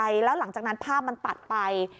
บาดเจ็บอะไรแล้วหลังจากนั้นภาพมันตัดไป